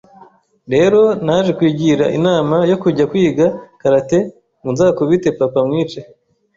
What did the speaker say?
rero naje kwigira inama yo kujya kwiga karate ngo nzakubite papa mwice